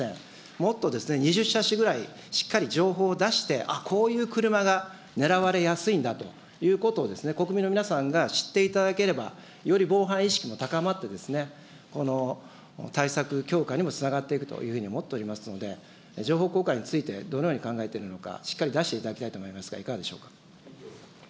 もっと２０車種ぐらいしっかり情報を出して、あっ、こういう車がねらわれやすいんだということを、国民の皆さんが知っていただければ、より防犯意識も高まって、対策強化にもつながっていくというふうにも思っておりますので、情報公開について、どのように考えているのか、しっかり出していただきたいと思いますが、いかがでしょうか。